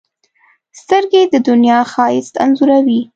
سترګې د دنیا ښایست انځوروي